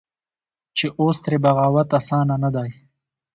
چې اوس ترې بغاوت اسانه نه دى.